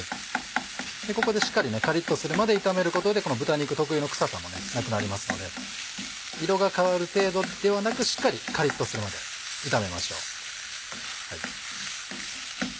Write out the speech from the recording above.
ここでしっかりカリっとするまで炒めることで豚肉特有の臭さもなくなりますので色が変わる程度ではなくしっかりカリっとするまで炒めましょう。